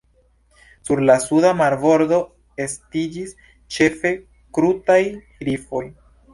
Sur la suda marbordo estiĝis ĉefe krutaj rifoj.